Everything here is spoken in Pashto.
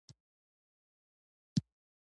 زموږ کوهۍ ټپ وچ شو.